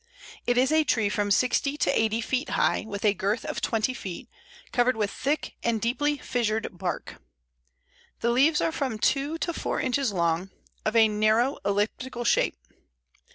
It is a tree from sixty to eighty feet high, with a girth of twenty feet, covered with thick and deeply fissured bark. The leaves are from two to four inches long, of a narrow elliptical shape.